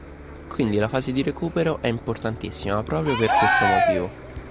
Quindi la fase di recupero è importantissima proprio per questo motivo.